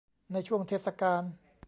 ในช่วงเทศกาล